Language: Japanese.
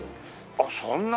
あっそんな。